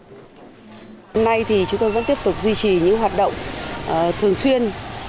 hôm nay thì chúng tôi vẫn tiếp tục duy trì những hoạt động thường xuyên